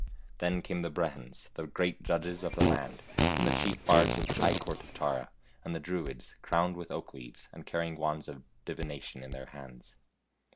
Then came the brehons, the great judges of the laud, and the chief bards of the high court of Tara, and the Druids, crowned with oak leaves, and carrying wands of divination in their hands.